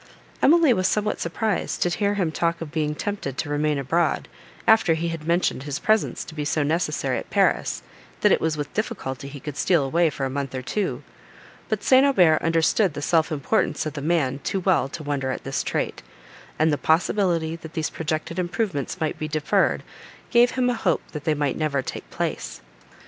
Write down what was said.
Emily was somewhat surprised to hear him talk of being tempted to remain abroad, after he had mentioned his presence to be so necessary at Paris, that it was with difficulty he could steal away for a month or two; but St. Aubert understood the self importance of the man too well to wonder at this trait; and the possibility, that these projected improvements might be deferred, gave him a hope, that they might never take place.